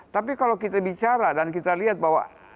tapi kalau kita bicara dan kita lihat bahwa